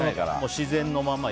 自然のまま。